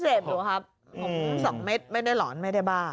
เสร็จหนูครับ๒เม็ดไม่ได้หลอนไม่ได้บ้า